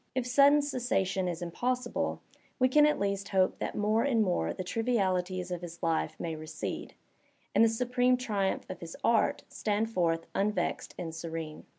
If sudden cessation is impossible, we can at least hope that more and more the trivialities of his life may recede, and the su preme triumph of his art stand forth unvexed and serene.